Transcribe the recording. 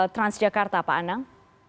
transjakarta pak anang